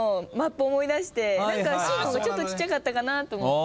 何かシーの方がちょっとちっちゃかったかなと思って。